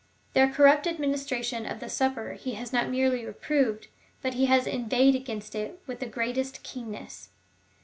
Their corrupt administration of the Supper he has not merely reproved, but has inveighed against it with the greatest keenness.